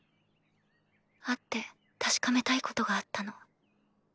会って確かめたいことがあったの。